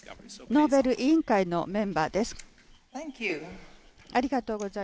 ノーベル委員会のメンバーです。